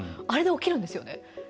あれで起きるんですよね。